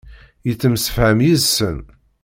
Yettemsefham yid-sen.